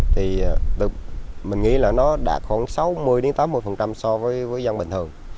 thì mình nghĩ là nó đạt khoảng sáu mươi tám mươi so với dân bình thường